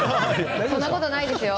そんなことないですよ。